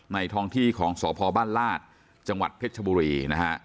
ทองที่ของสพบ้านลาดจังหวัดเพชรชบุรีนะฮะ